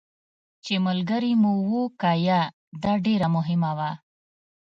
چې ملګري مو وو که یا، دا ډېره مهمه وه.